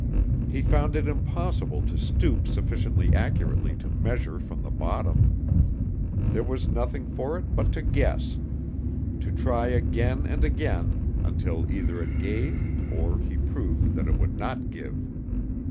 He found it impossible to stoop sufficiently accurately to measure from the bottom. There was nothing for it but to guess to try again and again until either it gave or he proved that it would not give.